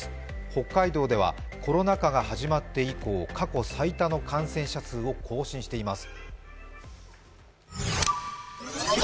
北海道ではコロナ禍が始まって以降、過去最多の感染者数を更新しています。